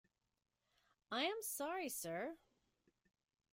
I am sorry sir.